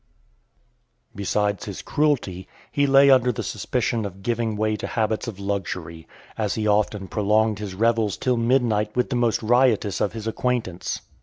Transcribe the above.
VII. Besides his cruelty, he lay under the suspicion of giving (469) way to habits of luxury, as he often prolonged his revels till midnight with the most riotous of his acquaintance.